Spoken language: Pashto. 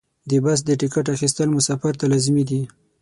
د بس د ټکټ اخیستل مسافر ته لازمي دي.